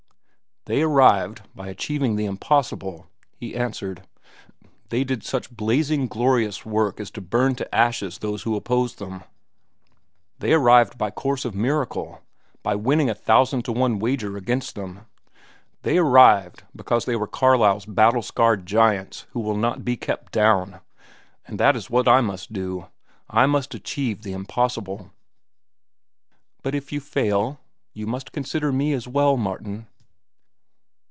"They arrived by achieving the impossible," he answered. "They did such blazing, glorious work as to burn to ashes those that opposed them. They arrived by course of miracle, by winning a thousand to one wager against them. They arrived because they were Carlyle's battle scarred giants who will not be kept down. And that is what I must do; I must achieve the impossible." "But if you fail? You must consider me as well, Martin."